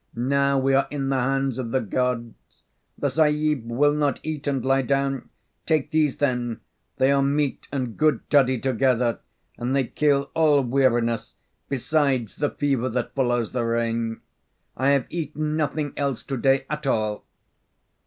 Now we are in the hands of the Gods. The Sahib will not eat and lie down? Take these, then. They are meat and good toddy together, and they kill all weariness, besides the fever that follows the rain. I have eaten nothing else to day at all."